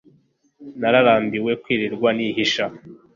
nararambiwe kwirirwa nihisha